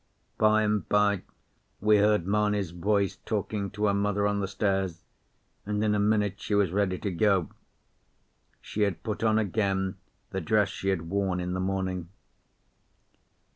By and by we heard Mamie's voice talking to her mother on the stairs, and in a minute she was ready to go. She had put on again the dress she had worn in the morning.